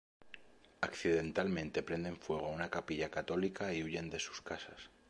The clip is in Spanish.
Accidentalmente prenden fuego a una capilla católica y huyen de sus casas.